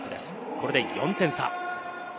これで４点差。